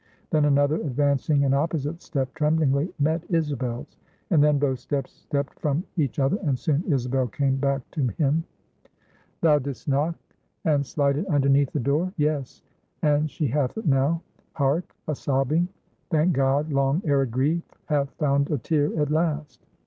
Then another advancing and opposite step tremblingly met Isabel's; and then both steps stepped from each other, and soon Isabel came back to him. "Thou did'st knock, and slide it underneath the door?" "Yes, and she hath it now. Hark! a sobbing! Thank God, long arid grief hath found a tear at last.